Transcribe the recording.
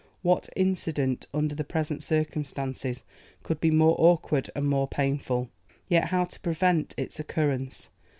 What incident, under the present circumstances, could be more awkward and more painful? Yet how to prevent its occurrence?